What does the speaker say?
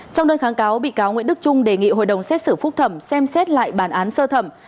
trong đơn kháng cáo bị cáo nguyễn đức trung đề nghị hội đồng xét xử phúc thẩm xem xét lại bản án sơ thẩm